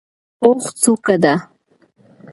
اوښ څوکه ده.